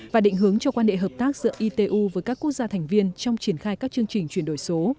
và định hướng cho quan hệ hợp tác giữa itu với các quốc gia thành viên trong triển khai các chương trình chuyển đổi số